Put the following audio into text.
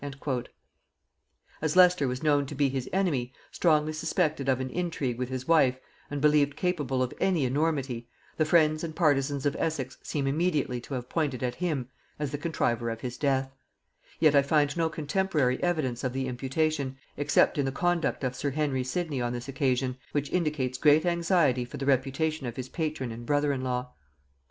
As Leicester was known to be his enemy, strongly suspected of an intrigue with his wife, and believed capable of any enormity, the friends and partisans of Essex seem immediately to have pointed at him as the contriver of his death; yet I find no contemporary evidence of the imputation, except in the conduct of sir Henry Sidney on this occasion, which indicates great anxiety for the reputation of his patron and brother in law.